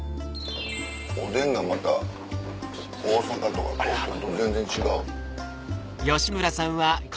おでんがまた大阪とか東京と全然違う。